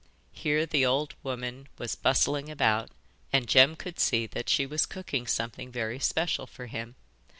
Here the old woman was bustling about, and Jem could see that she was cooking something very special for him.